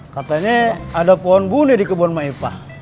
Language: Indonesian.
katanya ada pohon bunuh di kebun maipah